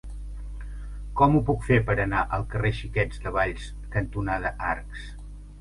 Com ho puc fer per anar al carrer Xiquets de Valls cantonada Arcs?